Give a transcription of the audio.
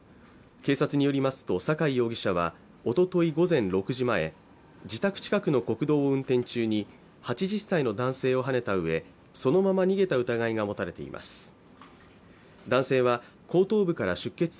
警察によりますと、酒井容疑者はおととい午前６時前、自宅近くの国道を運転中に８０歳の男性をはねたうえそのまま逃げた疑いが持たれています。